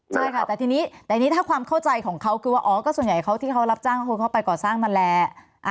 ใช่ค่ะแต่ทีนี้แต่อันนี้ถ้าความเข้าใจของเขาคือว่าอ๋อก็ส่วนใหญ่เขาที่เขารับจ้างก็คือเขาไปก่อสร้างนั่นแหละ